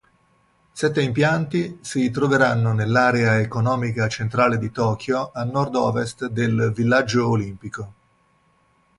Sette impianti si troveranno nell'area economica centrale di Tokyo, a nord-ovest del Villaggio Olimpico.